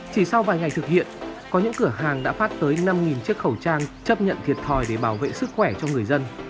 chỉ sau vài ngày thực hiện có những cửa hàng đã phát tới năm chiếc khẩu trang chấp nhận thiệt thòi để bảo vệ sức khỏe cho người dân